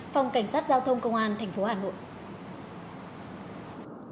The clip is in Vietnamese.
phòng cảnh sát giao thông công an tp hà nội